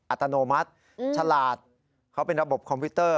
อัตโนมัติฉลาดเขาเป็นระบบคอมพิวเตอร์